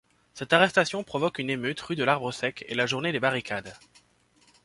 Cette arrestation provoque une émeute rue de l'Arbre-Sec et la Journée des barricades.